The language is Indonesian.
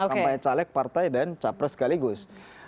kampanye caleg partai dan capres sekaligus